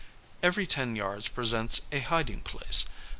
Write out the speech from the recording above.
Every ten yards presents a hiding place.